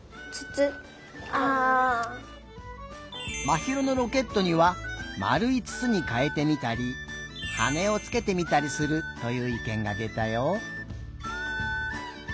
まひろのロケットにはまるいつつにかえてみたりはねをつけてみたりするといういけんがでたよ。